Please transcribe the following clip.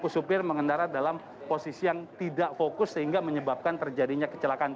supir mengendara dalam posisi yang tidak fokus sehingga menyebabkan terjadinya kecelakaan